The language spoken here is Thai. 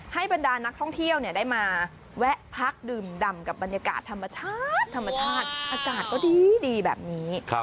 ให้บรรดานักท่องเที่ยวได้มาแวะพักดึ่มดำกับบรรยากาศธรรมชาติ